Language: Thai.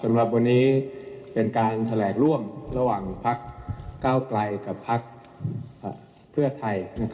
สำหรับวันนี้เป็นการแถลงร่วมระหว่างพักเก้าไกลกับพักเพื่อไทย